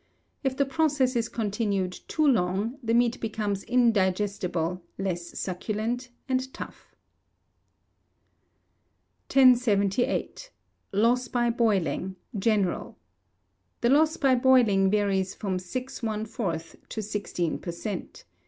If the process is continued too long, the meat becomes indigestible, less succulent, and tough. 1078. Loss by Boiling (General). The loss by boiling varies from 6 1/4 to 16 per cent.